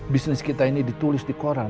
bisnis kita ini ditulis di koran